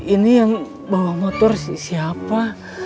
ini yang bawa motor siapa